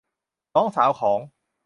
น้องสาวของ